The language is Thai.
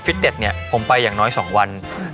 ฟิตเนตเนี่ยผมไปอย่างน้อยสองวันน่ะ